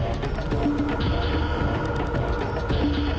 iya nanti ikut saya tolong bentangkan ini ya